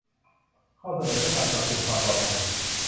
ข้อเสนอเพื่อการปรับปรุงความปลอดภัย